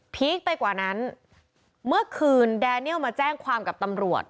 คไปกว่านั้นเมื่อคืนแดเนียลมาแจ้งความกับตำรวจ